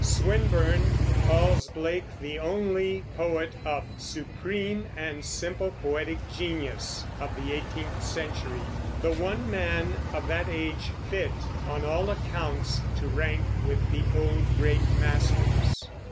Swinburne calls Blake the only poet of "supreme and simple poetic genius" of the eighteenth century, the one man of that age fit, on all accounts, to rank with the old great masters.